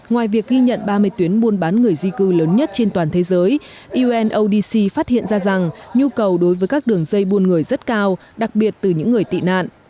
ngoài việc ghi nhận ba mươi tuyến buôn bán người di cư lớn nhất trên toàn thế giới unodc phát hiện ra rằng nhu cầu đối với các đường dây buôn người rất cao đặc biệt từ những người tị nạn